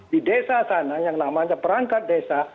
di desa sana yang namanya perangkat desa